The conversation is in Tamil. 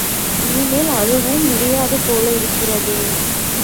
இனிமேல் அதுவும் முடியாதுபோல் இருக்கிறதே?